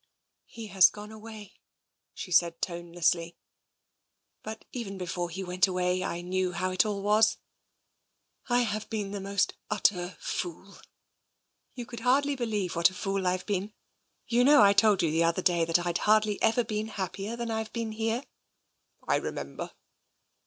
" He has gone away," she said tonelessly. " But even before he went away I knew how it all was. I have been the most utter fool. You could hardly be lieve what a fool I've been. You know I told you the other day that I'd hardly ever been happier than I've been here? "" I remember."